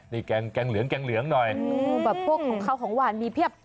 นี่แกงเหลืองแกงเหลืองหน่อยแบบพวกของเขาของหวานมีเพียบ